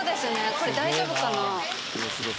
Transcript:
これ大丈夫かな？